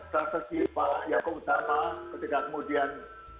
tersegi pak jakob utama ketika kemudian